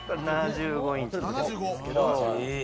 ７５インチなんですけど。